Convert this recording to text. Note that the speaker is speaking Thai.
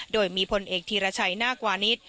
โดยมีพลเอกธีรชัยนาควานิส